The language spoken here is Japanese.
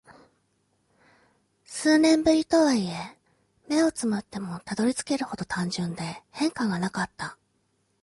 数年ぶりとはいえ、目を瞑ってもたどり着けるほど単純で変化がなかった。